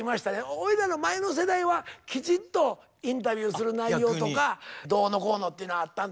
俺らの前の世代はきちんとインタビューする内容とかどうのこうのってのはあったんですけども。